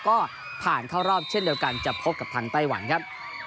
ก็ผ่านเข้ารอบเช่นเดียวกันจะพบกับทางไต้หวันครับ